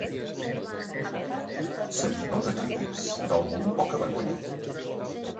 Seguidors acrítics d'algun poca-vergonya.